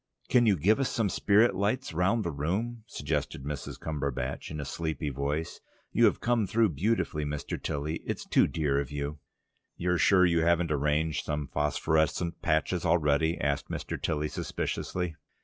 "Can you give us some spirit lights round the room?" suggested Mrs. Cumberbatch in a sleepy voice. "You have come through beautifully, Mr. Tilly. It's too dear of you!" "You're sure you haven't arranged some phosphorescent patches already?" asked Mr. Tilly suspiciously.